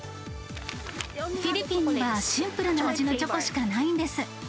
フィリピンにはシンプルな味のチョコしかないんです。